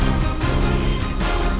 tapi ber violet rawat